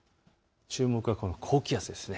注目は高気圧です。